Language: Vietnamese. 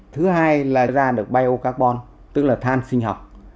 thứ hai là ra được biocarbon tức là than sinh học